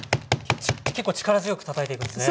結構力強くたたいていくんですね。